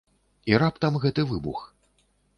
І раптам гэты выбух!